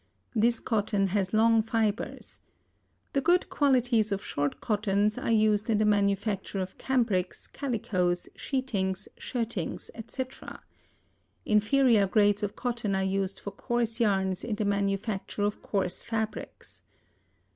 This cotton has long fibers. The good qualities of short cottons are used in the manufacture of cambrics, calicoes, sheetings, shirtings, etc. Inferior grades of cotton are used for coarse yarns in the manufacture of coarse fabrics.